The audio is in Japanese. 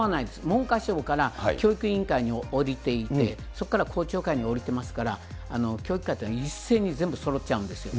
文科省から教育委員会に下りていて、そこから校長会に下りてますから、教育界というのは一斉に全部そろっちゃうんですよ。